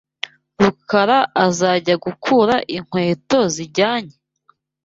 Rukara azajya gukura inkweto zijyanye?